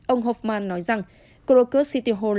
ông hoffman nói rằng krakow city hall